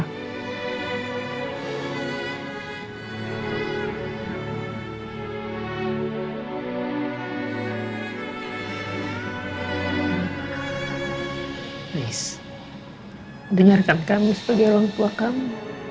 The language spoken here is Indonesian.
please dengarkan kami sebagai orang tua kamu